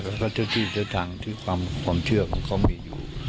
ก็เจอกลายที่เจอทางที่ความเชื่อก็มีอยู่